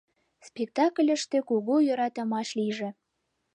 Спектакльыште кугу йӧратымаш лийже!